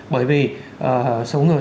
bởi vì số người